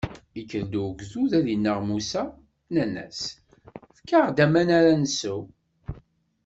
Ikker-d ugdud ad innaɣ Musa, nnan-as: Fket-aɣ-d aman ara nsew.